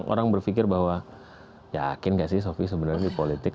orang berpikir bahwa yakin gak sih sofi sebenarnya di politik